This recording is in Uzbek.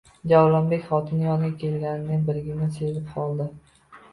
Javlonbek xotini yoniga kelganini birdan sezib qoldi.